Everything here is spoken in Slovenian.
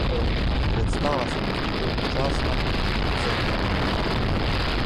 Predstava se mi zdi dolgočasna in precej neumna.